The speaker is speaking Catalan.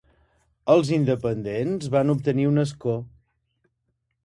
Els independents van obtenir un escó.